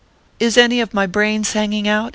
" Is any of my brains hanging out ?"